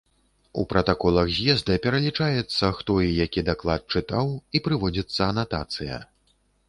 У пратаколах з'езда пералічаецца, хто і які чытаў даклад, і прыводзіцца анатацыя.